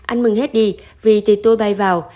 ăn mừng hết đi vì thì tôi bay vào